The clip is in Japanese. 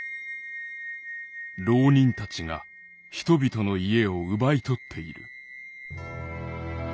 「牢人たちが人々の家を奪い取っている」。